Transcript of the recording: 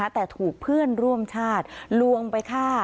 แต่ถูกเพื่อนร่วมชาติลวงไปฆ่า